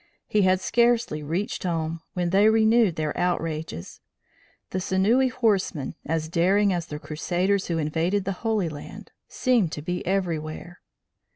He had scarcely reached home, when they renewed their outrages. The sinewy horsemen, as daring as the Crusaders who invaded the Holy Land, seemed to be everywhere.